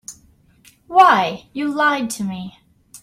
Why, you lied to me.